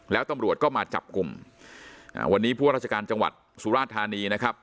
แล้วตำรวจก็มาจับกลุ่มอ่าวันนี้ผู้ว่าราชการจังหวัดสุราธานีนะครับ